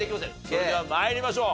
それでは参りましょう。